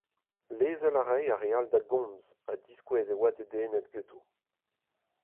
Lezel a rae ar re all da gomz, ha diskouez e oa dedennet ganto.